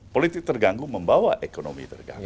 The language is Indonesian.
politik terganggu membawa ekonomi terganggu